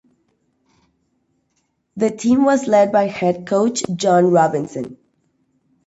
The team was led by head coach John Robinson.